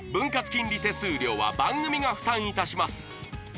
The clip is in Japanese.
金利手数料は番組が負担いたします